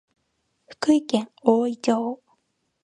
福井県おおい町